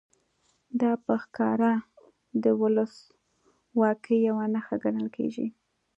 دا په ښکاره د ولسواکۍ یوه نښه ګڼل کېږي.